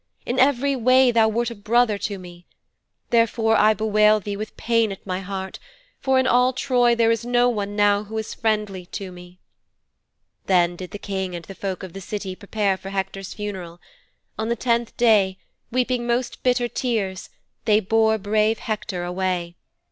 In every way thou wert as a brother to me. Therefore I bewail thee with pain at my heart, for in all Troy there is no one now who is friendly to me."' 'Then did the King and the folk of the City prepare for Hector's funeral. On the tenth day, weeping most bitter tears they bore brave Hector away.